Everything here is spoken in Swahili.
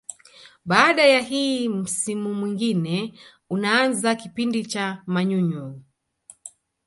Baada ya hii msimu mwingine unaanza kipindi cha manyunyu